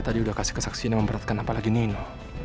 tadi udah kasih kesaksian yang memperhatikan apalagi nino